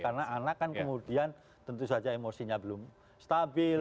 karena anak kan kemudian tentu saja emosinya belum stabil